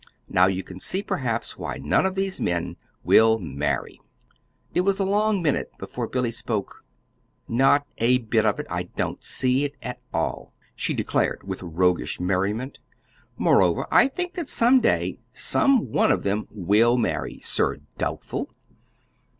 Now you can see, perhaps, why none of these men will marry." It was a long minute before Billy spoke. "Not a bit of it. I don't see it at all," she declared with roguish merriment. "Moreover, I think that some day, some one of them will marry, Sir Doubtful!"